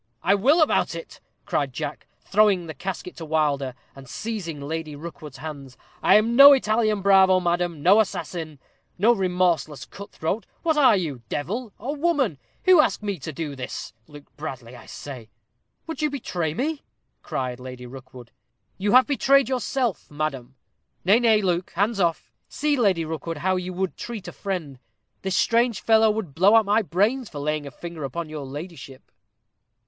"I will about it," cried Jack, throwing the casket to Wilder, and seizing Lady Rookwood's hands. "I am no Italian bravo, madam no assassin no remorseless cut throat. What are you devil or woman who ask me to do this? Luke Bradley, I say." "Would you betray me?" cried Lady Rookwood. "You have betrayed yourself, madam. Nay, nay, Luke, hands off. See, Lady Rookwood, how you would treat a friend. This strange fellow would blow out my brains for laying a finger upon your ladyship."